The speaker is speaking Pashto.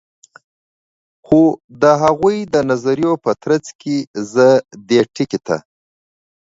خو د هغوي د نظریو په ترڅ کی زه دې ټکي ته